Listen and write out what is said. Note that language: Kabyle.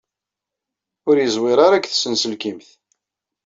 Ur yeẓwir ara deg tsenselkimt.